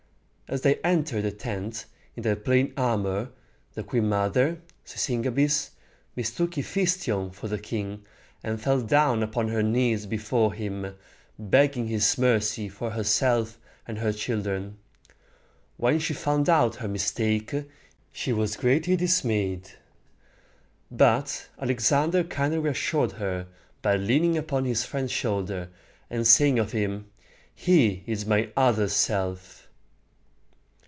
As they entered the tent, in their plain armor, the queen mother, Sis y gam´bis, mistook Hephæstion for the king, and fell down upon her knees before him, begging his mercy for herself and her children. When she found out her mistake, she was greatly dismayed; but Alexander kindly reassured her by leaning upon his friend's shoulder, and saying of him, "He is my other self."